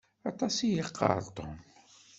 Aṭas i yeqqaṛ Tom.